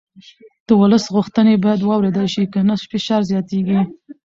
د ولس غوښتنې باید واورېدل شي که نه فشار زیاتېږي